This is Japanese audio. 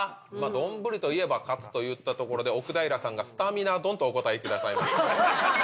丼といえばカツといったところで奥平さんがスタミナ丼とお答えくださいました。